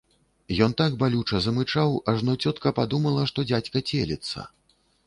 Ён так балюча замычаў, ажно цётка падумала, што дзядзька целіцца.